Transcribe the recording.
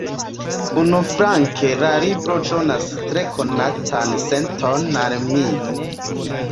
Unuflanke, la libro donas tre konatan senton al mi.